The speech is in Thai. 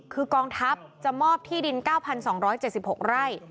คือกองทัพจะมอบที่ดิน๙๒๗๖ไร่